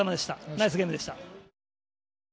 ナイスゲームでした。